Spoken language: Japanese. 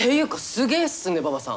すげえっすね馬場さん。